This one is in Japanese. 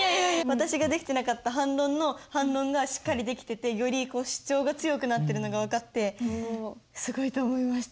私ができてなかった反論の反論がしっかりできててより主張が強くなってるのが分かってすごいと思いました。